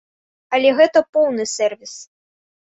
Але гэта поўны сэрвіс.